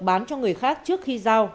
bán cho người khác trước khi giao